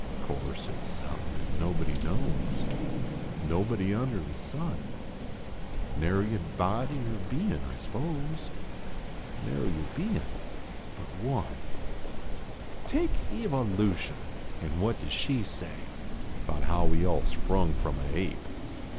() course at s somepin at nobody knows Nobody under the sun ; Nary a body or bein , I s pose ; Narv a bein but One. Take Kva I v ution, an what does she say Bout how we all sprung from a ape